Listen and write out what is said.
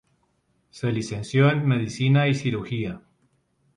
Se licenció en Medicina y Cirugía.